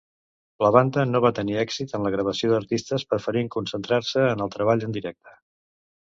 La banda no va tenir èxit en la gravació d'artistes, preferint concentrar-se en el treball en directe.